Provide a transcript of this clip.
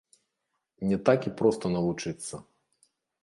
Не так і проста навучыцца.